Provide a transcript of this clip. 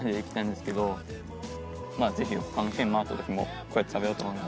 ぜひ他の県回った時もこうやって食べようと思います。